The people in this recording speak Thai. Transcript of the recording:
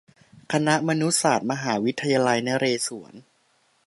คณะมนุษยศาสตร์ มหาวิทยาลัยนเรศวร